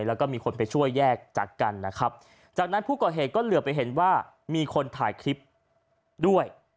แล้วก็มีคนไปช่วยแยกจัดกันนะครับจากนั้นผู้ก่อเหตุก็เหลือไปเห็นว่ามีคนถ่ายคลิปด้วย